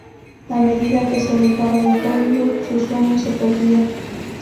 A medida que se alejaba de Hollywood su sueño se perdía.